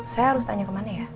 saya harus tanya kemana ya